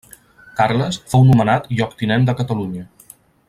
Carles fou nomenat lloctinent de Catalunya.